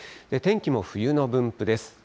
天気も冬の分布です。